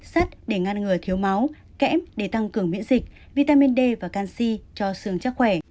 sắt để ngăn ngừa thiếu máu kẽm để tăng cường miễn dịch vitamin d và canxi cho xương chắc khỏe